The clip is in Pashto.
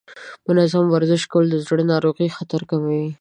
منظم ورزش کول د زړه ناروغیو خطر کموي.